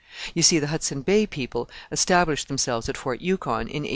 You see the Hudson Bay people established themselves at Fort Yukon in 1847.